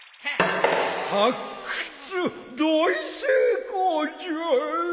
発掘大成功じゃ！